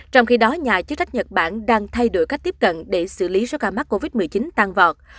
trong khi đó nhà chức trách nhật bản đang thay đổi cách tiếp cận để xử lý số ca mắc covid một mươi chín tăng vọt